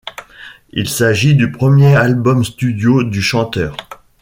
Il s'agit du premier album studio du chanteur.